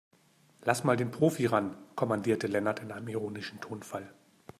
Lass mal den Profi ran, kommandierte Lennart in einem ironischen Tonfall.